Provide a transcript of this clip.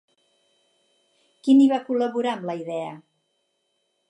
Quin hi va col·laborar amb la idea?